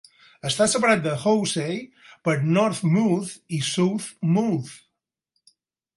Està separat de Housay per North Mouth i South Mouth.